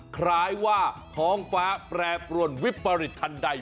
คล้ายว่าท้องฟ้าแปรปรวนวิปริตทันใด